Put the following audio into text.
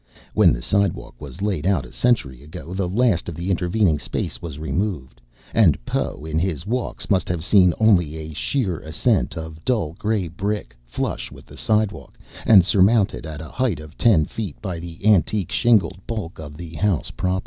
When the sidewalk was laid out a century ago the last of the intervening space was removed; and Poe in his walks must have seen only a sheer ascent of dull gray brick flush with the sidewalk and surmounted at a height of ten feet by the antique shingled bulk of the house proper.